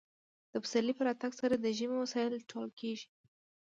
د پسرلي په راتګ سره د ژمي وسایل ټول کیږي